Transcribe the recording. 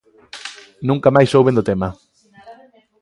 Nunca máis souben do tema.